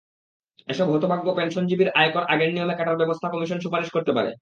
এসব হতভাগ্য পেনশনজীবীর আয়কর আগের নিয়মে কাটার ব্যবস্থা কমিশন সুপারিশ করতে পারে।